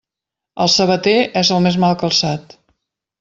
El sabater és el més mal calçat.